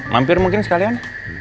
mampir mungkin sekalian